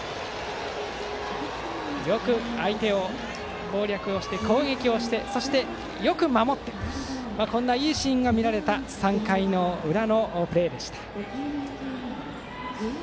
よく相手を攻略して、攻撃してそして、よく守ってといういいシーンが見られた３回の裏のプレーでした。